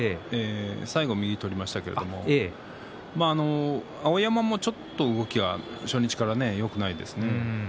最後は右を取りましたけれども碧山も初日から動きがよくないですね。